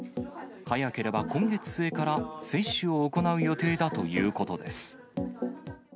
早ければ今月末から接種を行う予定だということです。